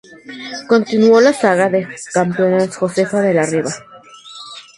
Continuó la saga de campeonas Josefa de la Riba.